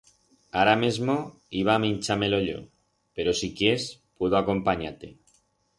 Ara mesmo iba a minchar-me-lo yo, pero si quiers puedo acompanyar-te.